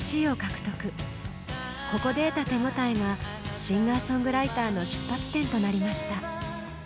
ここで得た手応えがシンガーソングライターの出発点となりました。